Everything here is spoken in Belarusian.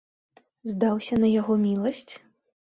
Здаўся на яго міласць?